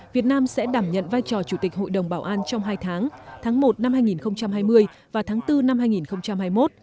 việt nam sẽ đảm nhận vai trò chủ tịch hội đồng bảo an trong hai tháng tháng một năm hai nghìn hai mươi và tháng bốn năm hai nghìn hai mươi một